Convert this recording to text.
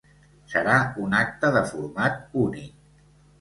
Serà un acte de format únic.